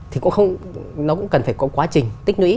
thì nó cũng cần phải có quá trình tích lũy